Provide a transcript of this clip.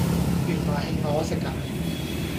原來係我食㗎